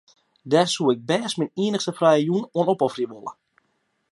Dêr soe ik bêst myn iennichste frije jûn oan opofferje wolle.